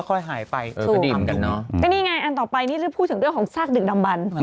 ก็นี่ไงอันต่อไปนี่คือพูดถึงเรื่องของซากดึกดำบัน